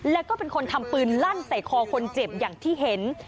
แล้วก็เป็นคนทำปืนลั่นใส่คอคนเจ็บอย่างที่เห็น